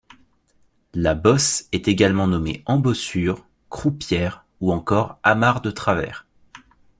La bosse est également nommée embossure, croupière ou encore amarre de travers.